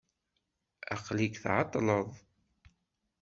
Aqel-ik tɛeṭleḍ.